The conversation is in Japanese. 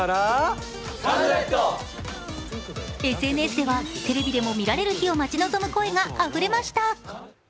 ＳＮＳでは、テレビでも見られる日を待ち望む声があふれました。